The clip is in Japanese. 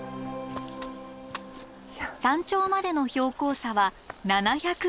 山頂までの標高差は７００ｍ。